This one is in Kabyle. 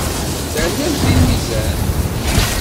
Ternamt deg lmizan.